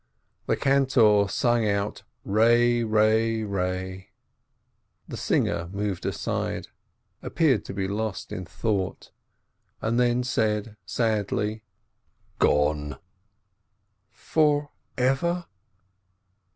The cantor sang out re re re. The singer moved aside, appeared to be lost in thought, and then said, sadly: "Gone I" "Forever?"